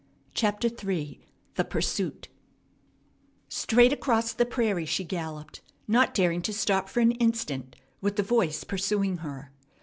CHAPTER III THE PURSUIT Straight across the prairie she galloped, not daring to stop for an instant, with the voice pursuing her.